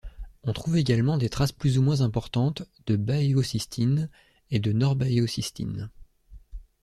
On retrouve également des traces plus ou moins importantes de baéocystine et norbaeocystine.